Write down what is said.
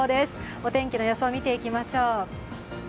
お天気の予想を見ていきましょう。